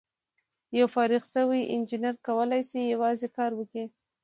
یو فارغ شوی انجینر کولای شي یوازې کار وکړي.